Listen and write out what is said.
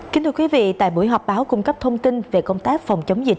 kính thưa quý vị tại buổi họp báo cung cấp thông tin về công tác phòng chống dịch